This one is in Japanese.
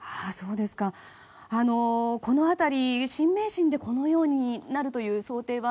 この辺り、新名神でこのようになるという想定は。